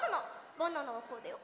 バナナはこうだよ。